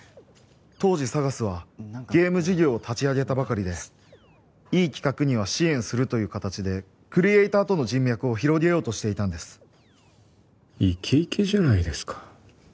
当時 ＳＡＧＡＳ はゲーム事業を立ち上げたばかりでいい企画には支援するという形でクリエイターとの人脈を広げようとしていたんですイケイケじゃないですか